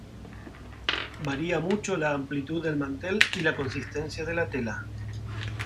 Varía mucho la amplitud del mantel y la consistencia de la tela.